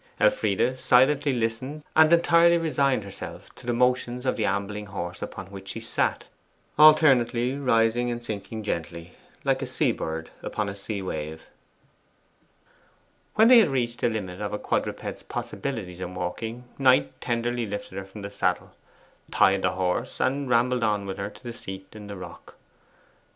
Elfride silently listened, and entirely resigned herself to the motions of the ambling horse upon which she sat, alternately rising and sinking gently, like a sea bird upon a sea wave. When they had reached the limit of a quadruped's possibilities in walking, Knight tenderly lifted her from the saddle, tied the horse, and rambled on with her to the seat in the rock.